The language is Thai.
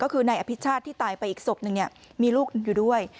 ก็คือนายอภิชาติที่ตายไปอีกศพหนึ่งมีลูกอยู่ด้วย